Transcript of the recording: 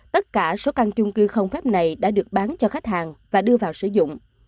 tất cả số căn chung cư không phép này đã được bán cho khách hàng và đưa vào sử dụng